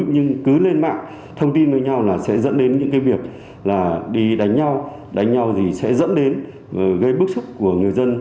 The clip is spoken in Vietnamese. nhưng cứ lên mạng thông tin với nhau là sẽ dẫn đến những cái việc là đi đánh nhau đánh nhau thì sẽ dẫn đến gây bức xúc của người dân